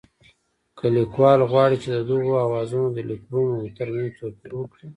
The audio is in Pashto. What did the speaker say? که لیکوال غواړي چې د دغو آوازونو د لیکبڼو ترمنځ توپیر وکړي